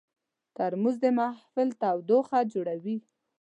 ترموز د محفل تودوخه جوړوي.